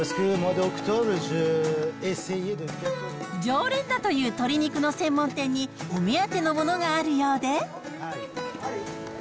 常連だという鶏肉の専門店に、お目当てのものがあるようで。